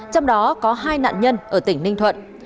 trong đó có hai nạn nhân ở tỉnh ninh thuận